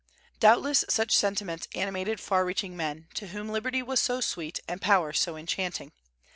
Doubtless such sentiments animated far reaching men, to whom liberty was so sweet, and power so enchanting.